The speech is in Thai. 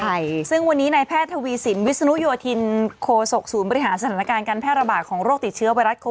ใช่ซึ่งวันนี้ในแพทย์ทวีสินวิศนุโยธินโคศกศูนย์บริหารสถานการณ์การแพร่ระบาดของโรคติดเชื้อไวรัสโค